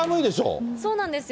そうなんですよ。